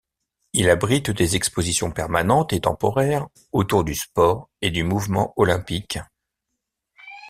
Il abrite des expositions permanentes et temporaires autour du sport et du mouvement olympique.